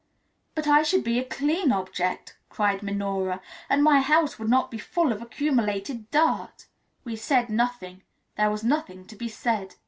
"But I should be a clean object," cried Minora, "and my house would not be full of accumulated dirt." We said nothing there was nothing to be said.